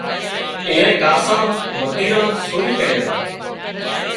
اينئائي کاشان متيران سوري ڪريان